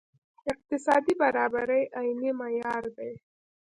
اقتصادي برابري عیني معیار دی.